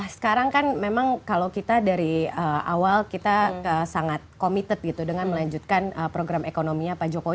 sekarang kan memang kalau kita dari awal kita sangat committed gitu dengan melanjutkan program ekonominya pak jokowi